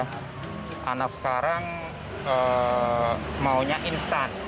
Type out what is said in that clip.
karena sekarang maunya instan